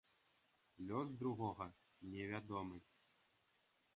Лёс другога не вядомы.